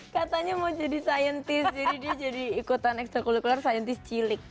katanya mau jadi saintis jadi dia jadi ikutan ekstra kulikuler saintis cilik